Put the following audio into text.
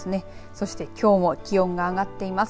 そして、きょうも気温が上がっています。